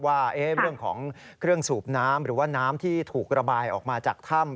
ว่าเรื่องของเครื่องสูบน้ำหรือว่าน้ำที่ถูกระบายออกมาจากถ้ำ